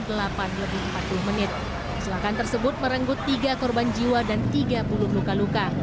kecelakaan tersebut merenggut tiga korban jiwa dan tiga puluh luka luka